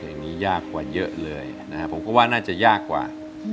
อย่างนี้ยากกว่าเยอะเลยนะครับผมก็ว่าน่าจะยากกว่า